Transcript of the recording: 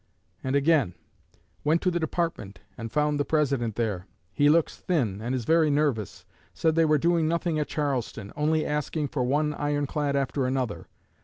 And again: "Went to the Department and found the President there. He looks thin, and is very nervous. Said they were doing nothing at Charleston, only asking for one iron clad after another.